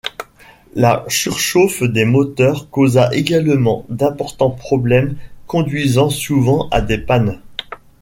La surchauffe des moteurs causa également d'importants problèmes conduisant souvent à des pannes.